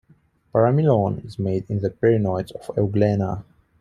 Paramylon is made in the pyrenoids of "Euglena".